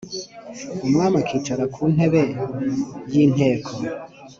umwami akicara ku ntébe y íinteko